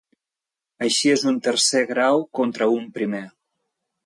Així és un tercer grau contra un primer!